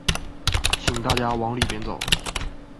请大家往里面走